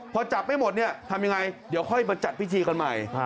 พอจับไม่หมดเนี่ยทำยังไงเดี๋ยวค่อยมาจัดพิธีกันใหม่